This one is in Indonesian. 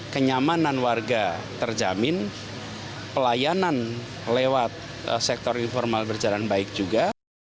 kenyamanan warga terjamin pelayanan lewat sektor informal berjalan baik juga